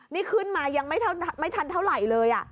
นี่ขึ้นมายังไม่ทันเท่าไหร่เลย